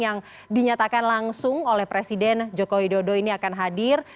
yang dinyatakan langsung oleh presiden joko widodo ini akan hadir